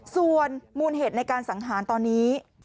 ส่วนมูลเหตุในการสังหารตอนนี้